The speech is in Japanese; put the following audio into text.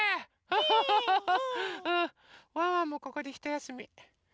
ワンワンもここでひとやすみ。